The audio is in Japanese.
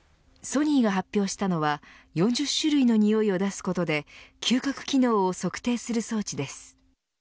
ソニーが発表したのは４０種類の匂いを出すことで嗅覚機能を測定する装置です。